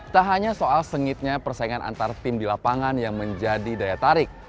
tak hanya soal sengitnya persaingan antar tim di lapangan yang menjadi daya tarik